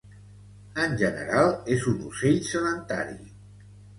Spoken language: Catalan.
En general és un ocell sedentari.